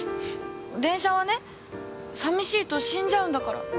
電車はねさみしいと死んじゃうんだから。